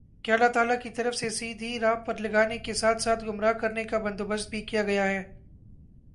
کہ اللہ تعالیٰ کی طرف سے سیدھی راہ پر لگانے کے ساتھ ساتھ گمراہ کرنے کا بندوبست بھی کیا گیا ہے